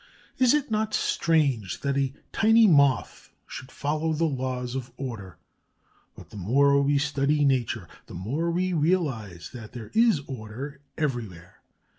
Is it not strange that a tiny Moth should follow the laws of order? But the more we study nature, the more we realize that there is order everywhere.